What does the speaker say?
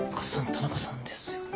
田中さんですよね？